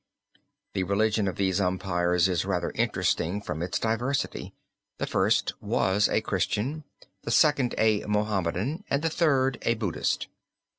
The religion of these umpires is rather interesting from its diversity: the first was a Christian, the second a Mohammedan, and the third a Buddhist.